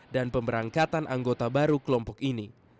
dan pemberangkatan anggota baru kelompok ini